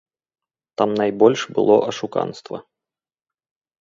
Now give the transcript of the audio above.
Там найбольш было ашуканства.